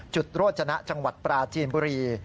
โรจนะจังหวัดปราจีนบุรี